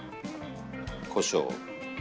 こしょう。